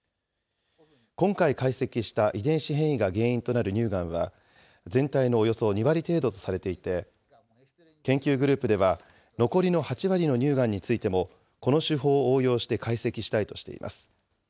今回解析した遺伝子変異が原因となる乳がんは、全体のおよそ２割程度とされていて、研究グループでは、残りの８割の乳がんについてもこの手法を応用して解析したいとしています。